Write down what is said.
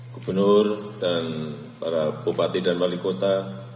gubernur dan para bupati dan wali kota